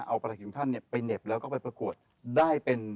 เอาประหิวของท่านไปเหน็บแล้วก็ไปประกวดได้เป็น